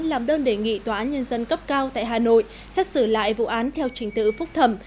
làm đơn đề nghị tòa án nhân dân cấp cao tại hà nội xét xử lại vụ án theo trình tự phúc thẩm